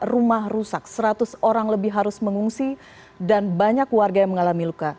rumah rusak seratus orang lebih harus mengungsi dan banyak warga yang mengalami luka